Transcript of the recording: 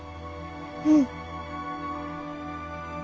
うん。